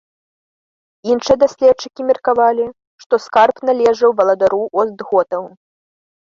Іншыя даследчыкі меркавалі, што скарб належаў валадару остготаў.